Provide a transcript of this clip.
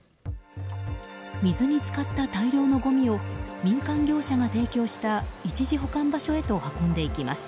水に浸かった大量のごみを民間業者が提供した一時保管場所へと運んでいきます。